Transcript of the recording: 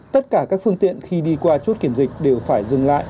tất cả các phương tiện khi đi qua chốt kiểm dịch đều phải dừng lại